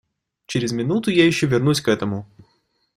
Через минуту я еще вернусь к этому.